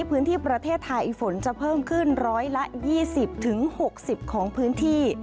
พื้นที่ประเทศไทยฝนจะเพิ่มขึ้น๑๒๐๖๐ของพื้นที่